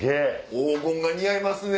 黄金が似合いますね！